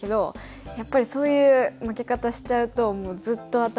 やっぱりそういう負け方しちゃうともうずっと頭に残って。